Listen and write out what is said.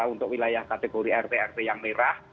untuk wilayah kategori rt rt yang merah